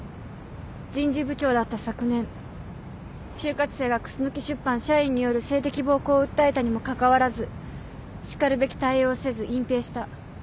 人事部長だった昨年就活生がクスノキ出版社員による性的暴行を訴えたにもかかわらずしかるべき対応をせず隠蔽した。